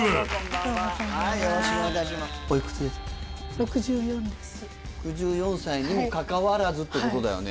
６４歳にもかかわらずってことだよね？